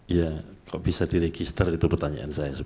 ya kok bisa diregister itu pertanyaan saya